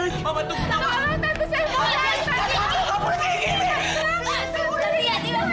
tentang aku harus pergi